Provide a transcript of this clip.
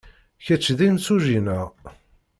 Kečč d imsujji, naɣ?